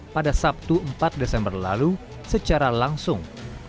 pada sabtu empat desember lalu secara langsung